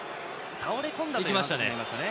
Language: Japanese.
倒れ込んだということでしたね。